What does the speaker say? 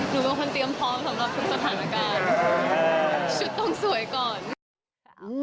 หนูเป็นคนเตรียมพร้อมสำหรับทุกสถานการณ์